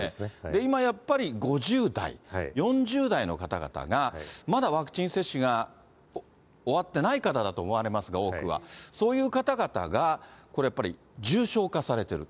今やっぱり５０代、４０代の方々が、まだワクチン接種が終わってない方だと思われますが、多くは、そういう方々が、これやっぱり、重症化されてる。